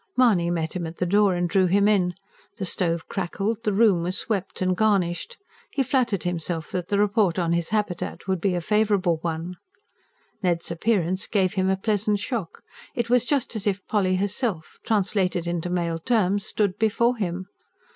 Mahony met him at the door and drew him in: the stove crackled, the room was swept and garnished he flattered himself that the report on his habitat would be a favourable one. Ned's appearance gave him a pleasant shock: it was just as if Polly herself, translated into male terms, stood before him.